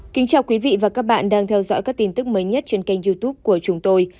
kính chào quý vị và các bạn đang theo dõi các tin tức mới nhất trên kênh youtube của chúng tôi